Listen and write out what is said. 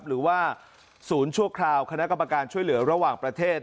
หรือว่าศูนย์ชั่วคราวคณะกรรมการช่วยเหลือระหว่างประเทศ